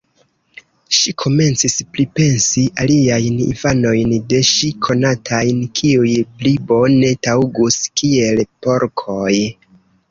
Ŝi komencis pripensi aliajn infanojn de ŝi konatajn, kiuj pli bone taŭgus kiel porkoj.